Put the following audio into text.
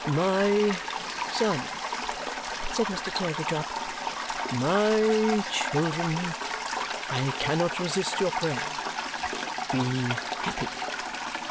"My son!" said Mr. Turveydrop. "My children! I cannot resist your prayer. Be happy!"